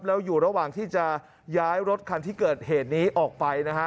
แล้วอยู่ระหว่างที่จะย้ายรถคันที่เกิดเหตุนี้ออกไปนะฮะ